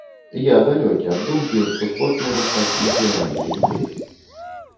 Я далёкі ад думкі, што спорт можа стаць нацыянальнай ідэяй.